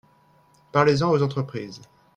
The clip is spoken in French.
Parlez-en aux entreprises